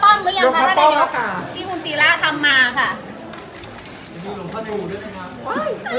ท่านนายกได้เห็นท่านหลวงเข้าป้องไหมยังท่านนายกที่คุณตีร่าทำมาค่ะ